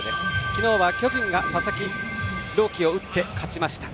昨日は巨人が佐々木朗希を打って勝ちました。